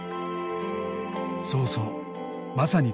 そうそうまさに鏡。